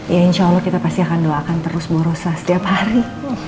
ya insya allah kita pasti akan doakan terus berusaha setiap hari